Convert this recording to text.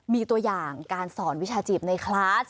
มีตัวอย่างการสอนวิชาจีบในคลาส